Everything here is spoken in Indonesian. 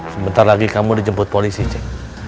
sebentar lagi kamu dijemput polisi cek